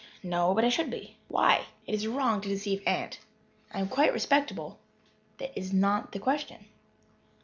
"No but I should be." "Why?" "It is wrong to deceive Aunt." "I am quite respectable." "That is not the question."